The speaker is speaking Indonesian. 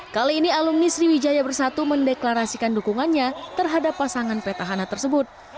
kali ini alumni sriwijaya bersatu mendeklarasikan dukungannya terhadap pasangan petahana tersebut